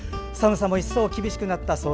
寒さも一層厳しくなった